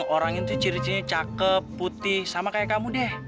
orangnya tuh ciri ciri cakep putih sama kayak kamu deh